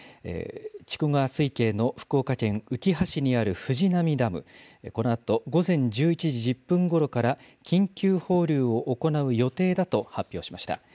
筑後川水系の福岡県うきは市にある藤波ダム、このあと午前１１時１０分ごろから緊急放流を行う予定だと発表しました。